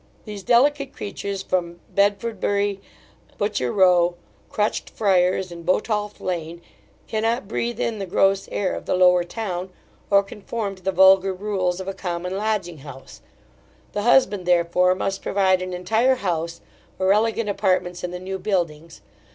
These delicate creatures from Bedfordbury, Butcher row, Crutched friers, and Botolph lane, cannot breathe in the gross air of the Lower Town, or conform to the vulgar rules of a common lodging house; the husband, therefore, must provide an entire house, or elegant apartments in the new buildings.